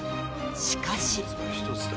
しかし。